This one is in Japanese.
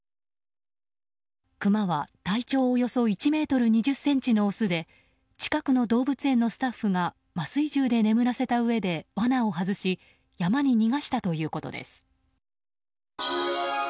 クマは体長およそ１ｍ２０ｃｍのオスで近くの動物園のスタッフが麻酔銃で眠らせたうえで罠を外し山に逃がしたということです。